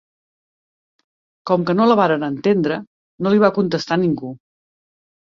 Com que no la varen entendre no li va contestar ningú.